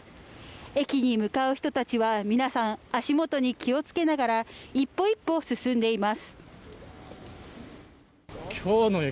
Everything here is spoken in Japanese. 駅に向かう人たちは皆さん足元に気をつけながら一歩一歩進んでいます